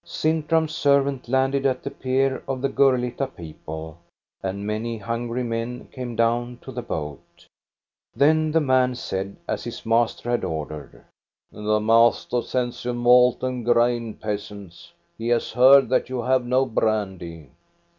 Sintram's servant landed at the pier of the Gurlitta people, and many hungry men came down to the boat Then the man said, as his master had ordered :—" The master sends you malt and grain, peasants. He has heard that you have no brandy."